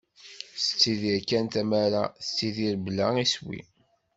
Tettidir kan tamara, tettidir bla iswi.